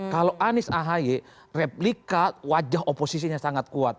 kalau anies ahy replika wajah oposisinya sangat kuat